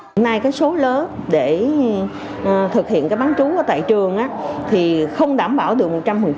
hôm nay số lớp để thực hiện bán trú tại trường không đảm bảo được một trăm linh